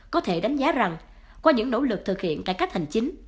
có thể đánh giá rằng qua những nỗ lực thực hiện cải cách hành chính